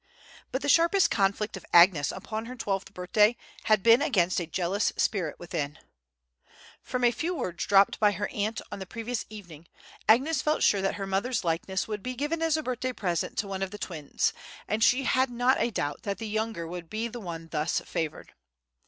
But the sharpest conflict of Agnes upon her twelfth birthday had been against a jealous spirit within. From a few words dropped by her aunt on the previous evening, Agnes felt sure that her mother's likeness would be given as a birthday present to one of the twins, and she had not a doubt that the younger would be the one thus favored.